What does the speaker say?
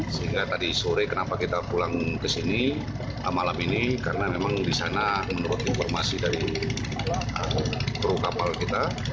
sehingga tadi sore kenapa kita pulang ke sini malam ini karena memang di sana menurut informasi dari kru kapal kita